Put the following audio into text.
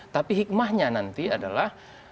tapi hikmahnya nanti adalah